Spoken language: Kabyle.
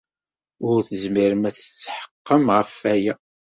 Ur tezmirem ad tetḥeqqem ɣef waya.